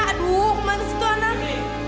aduh kemana situ anak